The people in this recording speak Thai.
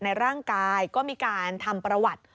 ในร่างกายก็มีการทำประวัติ